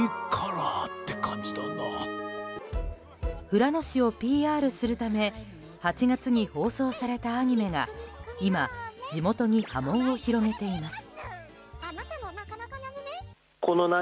富良野市をアピールするため８月に放送されたアニメが今、地元に波紋を広げています。